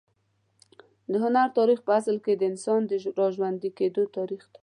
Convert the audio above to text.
د هنر تاریخ په اصل کې د انسان د راژوندي کېدو تاریخ دی.